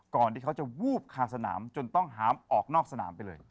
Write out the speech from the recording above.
ที่เขาจะวูบคาสนามจนต้องหามออกนอกสนามไปเลย